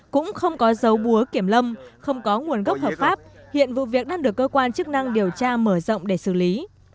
cũng không có dấu búa kiểm lâm không có nguồn gốc hợp pháp hiện vụ việc đang được cơ quan chức năng điều tra mở rộng để xử lý